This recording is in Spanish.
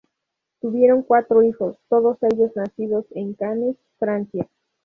Tuvieron cuatro hijos, todos ellos nacidos en Cannes, Francia.